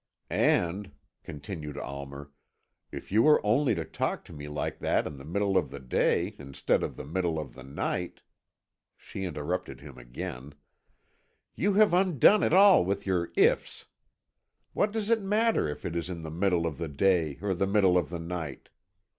"And," continued Almer, "if you were only to talk to me like that in the middle of the day instead of the middle of the night " She interrupted him again: "You have undone it all with your 'ifs.' What does it matter if it is in the middle of the day or the middle of the night?